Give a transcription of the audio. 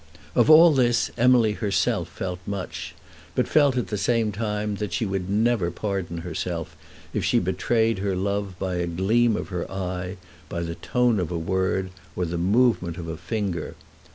Of all this Emily herself felt much, but felt at the same time that she would never pardon herself if she betrayed her love by a gleam of her eye, by the tone of a word, or the movement of a finger.